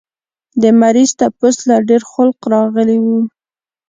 د مريض تپوس له ډېر خلق راغلي وو